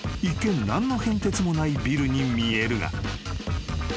［一見何の変哲もないビルに見えるが］